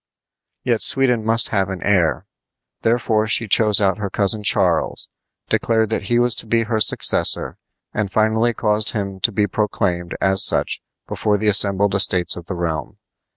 Yet Sweden must have an heir. Therefore she chose out her cousin Charles, declared that he was to be her successor, and finally caused him to be proclaimed as such before the assembled estates of the realm.